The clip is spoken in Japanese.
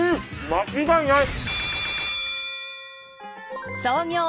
間違いない。